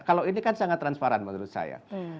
kalau ini kan sangat transparan menurut saya